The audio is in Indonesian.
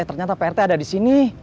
ternyata pak rete ada disini